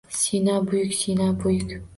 Sino buyuk, Sino buyuk!